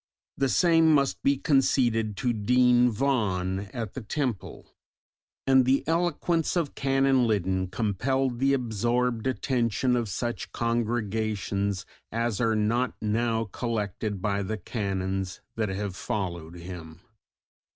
The same must be conceded to Dean Vaughan at the Temple; and the eloquence of Canon Liddon compelled the absorbed attention of such congregations as are not now collected by the Canons that have followed him.